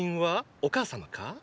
お母様か？